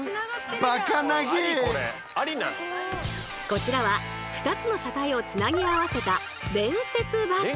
こちらは２つの車体をつなぎ合わせた連節バス！